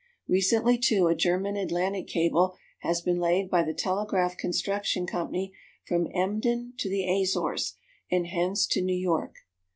Recently, too, a German Atlantic cable has been laid by the Telegraph Construction Company from Emden to the Azores, and hence to New York.